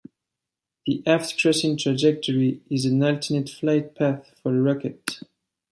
The aft-crossing trajectory is an alternate flight path for a rocket.